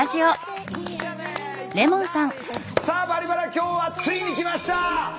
さあ「バリバラ」今日はついに来ました。